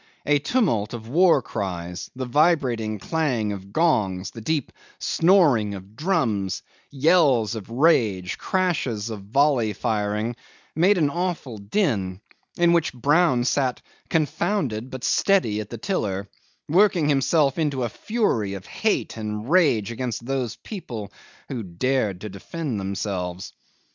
A tumult of war cries, the vibrating clang of gongs, the deep snoring of drums, yells of rage, crashes of volley firing, made an awful din, in which Brown sat confounded but steady at the tiller, working himself into a fury of hate and rage against those people who dared to defend themselves.